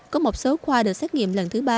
có một số khoa được xét nghiệm